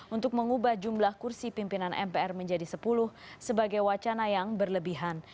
untuk mengubah jumlah kursi pimpinan mpr menjadi sepuluh sebagai wacana yang berlebihan